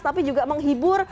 tapi juga menghibur